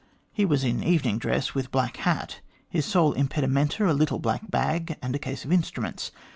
He was in evening dress, with black hat; his sole impedimenta^ a little black bag and a case of instruments.